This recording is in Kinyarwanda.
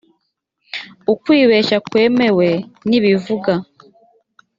ukwibeshya kwemewe ni bivuga